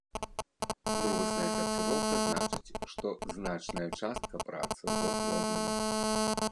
Другасная сарціроўка значыць, што значная частка працы ўжо зроблена.